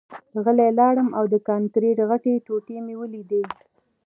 غلی لاړم او د کانکریټ غټې ټوټې مې ولیدې